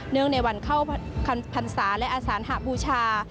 ในวันเข้าพรรษาและอสานหบูชา